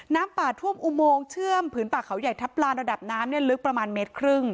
น้ำป่าท่วมอุโมงเชื่อมผืนป่าเขาใหญ่ทัพลานระดับน้ำเนี่ยลึกประมาณเมตรครึ่ง